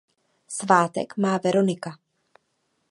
Svátek má Veronika.